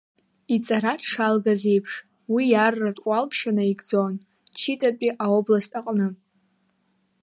Иҵара дшалгаз еиԥш уи иарратә уалԥшьа наигӡон Читатәи аобласт аҟны.